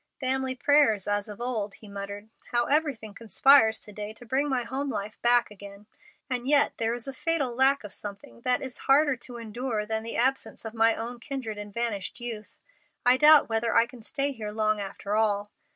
"Family prayers as of old," he muttered. "How everything conspires to day to bring my home life back again! and yet there is a fatal lack of something that is harder to endure than the absence of my own kindred and vanished youth. I doubt whether I can stay here long after all.